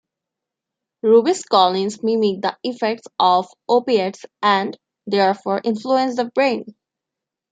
Rubiscolins mimic the effects of opiates and, therefore, influence the brain.